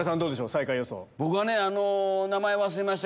最下位予想。